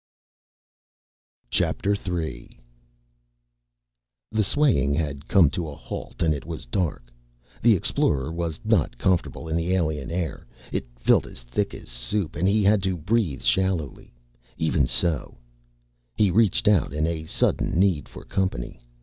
III The swaying had come to a halt and it was dark. The Explorer was not comfortable in the alien air. It felt as thick as soup and he had to breathe shallowly. Even so He reached out in a sudden need for company.